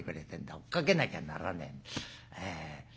追っかけなきゃならねえ。